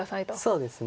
そうですね。